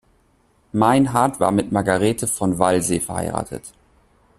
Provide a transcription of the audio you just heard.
Meinhard war mit Margarethe von Walsee verheiratet.